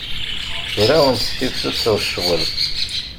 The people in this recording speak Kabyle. Ur awent-ssifsuseɣ ccɣel.